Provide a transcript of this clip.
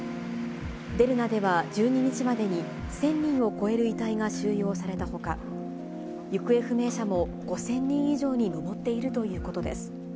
デルナでは１２日までに１０００人を超える遺体が収容されたほか、行方不明者も５０００人以上に上っているということです。